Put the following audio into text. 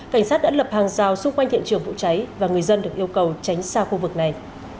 cảnh sát đã lập hàng rào xung quanh hiện trường vụ cháy và người dân được yêu cầu tránh xa khu vực này